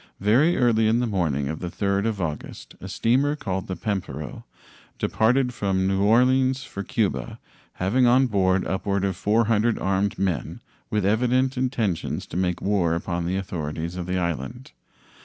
Very early in the morning of the 3d of August a steamer called the Pampero departed from New Orleans for Cuba, having on board upward of 400 armed men with evident intentions to make war upon the authorities of the island.